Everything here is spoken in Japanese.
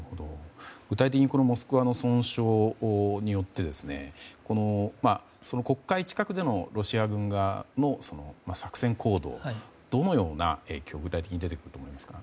具体的に「モスクワ」の損傷によって黒海近くでのロシア軍側の作戦行動、どのような影響が出てくると思いますか？